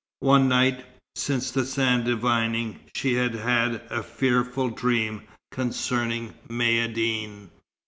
One night, since the sand divining, she had had a fearful dream concerning Maïeddine.